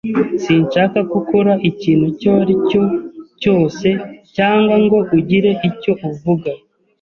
Sinshaka ko ukora ikintu icyo ari cyo cyose cyangwa ngo ugire icyo uvuga.